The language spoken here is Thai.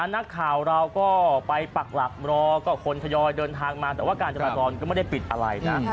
นักข่าวเราก็ไปปักหลักรอก็คนทยอยเดินทางมาแต่ว่าการจราจรก็ไม่ได้ปิดอะไรนะ